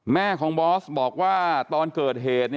แม่ของบอสบอกว่าตอนเกิดเหตุ